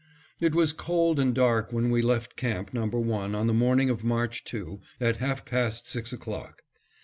It was cold and dark when we left camp number one on the morning of March 2, at half past six o'clock.